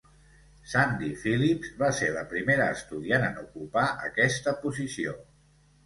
Sandy Phillips va ser la primera estudiant en ocupar aquesta posició.